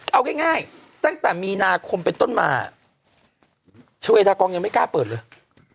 เอาง่ายตั้งแต่มีนาคมเป็นต้นมาชาเวดากองยังไม่กล้าเปิดเลย